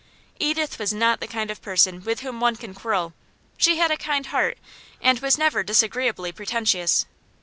Edith was not the kind of person with whom one can quarrel; she had a kind heart, and was never disagreeably pretentious.